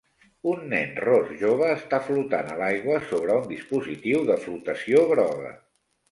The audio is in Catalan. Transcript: Un nen Ros jove està flotant a l'aigua sobre un dispositiu de flotació groga.